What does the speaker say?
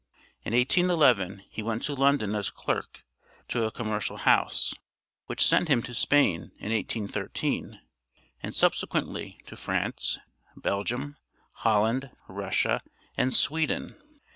In 1811 he went to London as clerk to a commercial house, which sent him to Spain in 1813, and subsequently to France, Belgium, Holland, Russia, and Sweden.